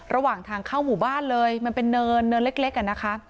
ระหว่างทางเข้าหมู่บ้านเลยมันเป็นเนินเนินเล็กอ่ะนะคะ